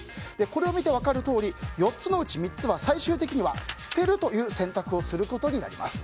これを見て分かるとおり４つのうち３つは最終的には捨てるという選択をすることになります。